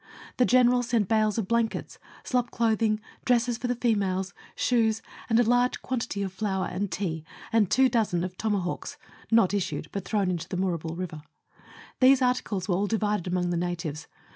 The General sent bales of blankets, slop clothing, dresses for the females, shoes, and a large quantity of flour and tea, and two dozen of toma hawks (not issued, but thrown into Moorabool River). These articles were all divided amongst the natives.